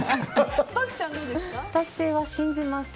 私は信じます。